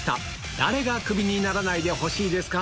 誰がクビにならないでほしいです